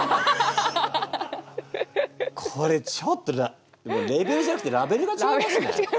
これちょっとレベルじゃなくてラベルがちがいますね。